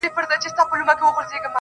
o زما په ژوند کي د وختونو د بلا ياري ده.